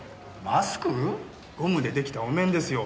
ゴムで出来たお面ですよ。